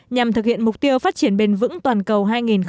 nhằm thực hiện mục tiêu phát triển bền vững toàn cầu hai nghìn ba mươi